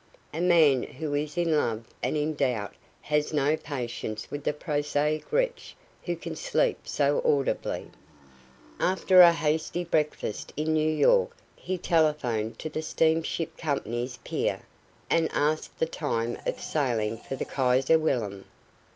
A man who is in love and in doubt has no patience with the prosaic wretch who can sleep so audibly. After a hasty breakfast in New York he telephoned to the steamship company's pier and asked the time of sailing for the Kaiser Wilhelm.